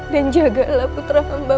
dan jagalah putra hamba